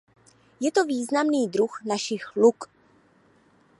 Je to významný druh našich luk.